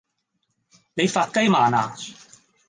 你發雞盲呀